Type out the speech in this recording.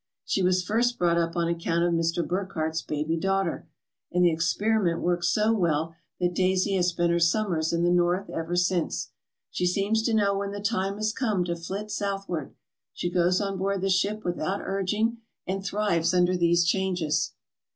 She was first brought up on account of Mr. Burckhardt's baby daughter, and the experiment worked so well that Daisy has spent her summers in the North ever since. She seems to know when the time has come to flit southward. She goes on board the ship with out urging and thrives under these changes.